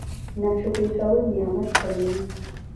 ناشکري کول نعمت کموي